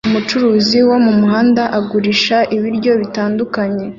Umucuruzi wo mumuhanda agurisha ibiryo bitandukanye